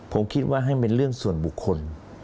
ผมคิดว่าให้เป็นเรื่องส่วนบุคคล